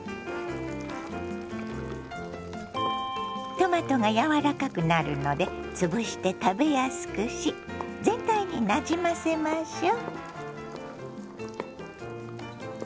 トマトが柔らかくなるので潰して食べやすくし全体になじませましょう。